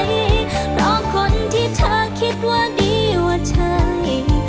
เพราะคนที่เธอคิดว่าดีว่าใช่